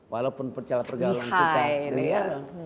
walaupun perjalanan pergaulan kita